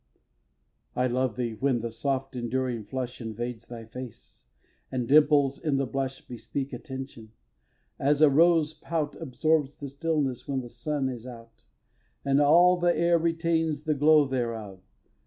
xv. I love thee when the soft endearing flush Invades thy face, and dimples in the blush Bespeak attention, as a rose's pout Absorbs the stillness when the sun is out, And all the air retains the glow thereof.